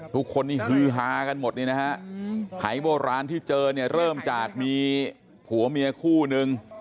ทุกคนนี้ฮือฮากันหมดนี่นะฮะหายโบราณที่เจอเนี่ยเริ่มจากมีผัวเมียคู่นึง